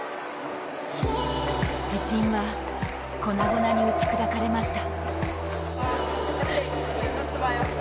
自信は、粉々に打ち砕かれました。